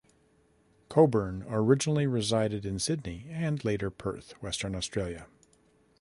Coburn originally resided in Sydney, and later Perth, Western Australia.